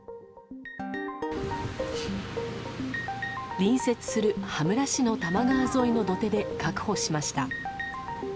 隣接する羽村市の多摩川沿いの土手で確保しました。